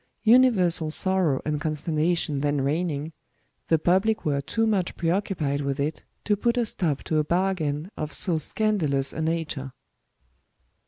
Universal sorrow and consternation then reigning, the public were too much pre occupied with it to put a stop to a bargain of so scandalous a nature.